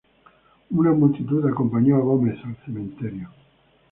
Una multitud acompañó a Gómez al cementerio.